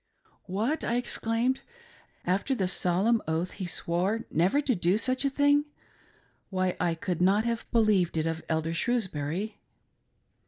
"What!" I exclaimed, "After the solemn oath he swore never to do such a thing ? Why, I could not have believed it of Elder Shrewsbury!"